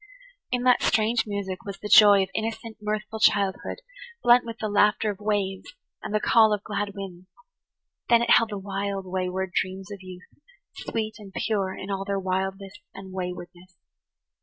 In that strange music was the joy of innocent, mirthful childhood, blent with the laughter of [Page 112] waves and the call of glad winds. Then it held the wild, wayward dreams of youth, sweet and pure in all their wildness and waywardness.